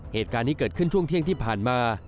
เหตุการณ์นี้เกิดขึ้นช่วงเที่ยงที่ผ่านมา